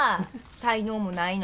才能もないのに。